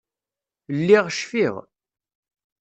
Lliɣ cfiɣ.